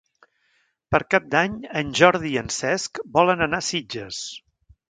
Per Cap d'Any en Jordi i en Cesc volen anar a Sitges.